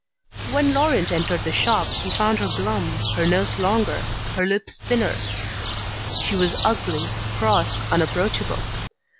When Laurent entered the shop, he found her glum, her nose longer, her lips thinner. She was ugly, cross, unapproachable.